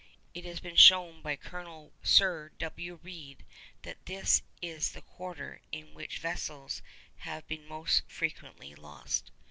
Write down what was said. It has been shown by Colonel Sir W. Reid that this is the quarter in which vessels have been most frequently lost.